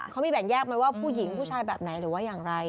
เขามีแบ่งแยกไหมว่าผู้หญิงผู้ชายแบบไหนหรือว่าอย่างไร